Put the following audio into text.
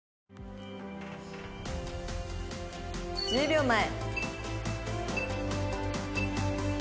１０秒前。